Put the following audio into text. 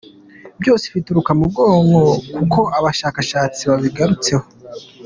Byose bituruka mu bwonko nk’uko abashakashatsi babigarutseho.